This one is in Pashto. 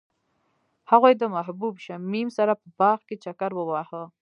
هغوی د محبوب شمیم سره په باغ کې چکر وواهه.